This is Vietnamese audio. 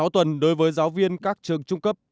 sáu tuần đối với giáo viên các trường trung cấp